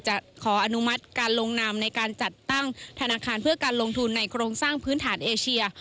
ขออนุมัติการลงนามในการจัดตั้งธนาคารเพื่อการลงทุนในโครงสร้างพื้นฐานเอเชีย